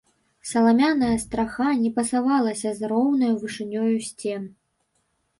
Саламяная страха не пасавалася з роўнаю вышынёю сцен.